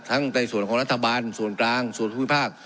ทั้งในส่วนของรัฐบาลส่วนกลางส่วนธุรกิจภาค